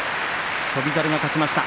翔猿が勝ちました。